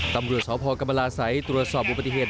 ตำรวจสพกรรมราศัยตรวจสอบอุบัติเหตุ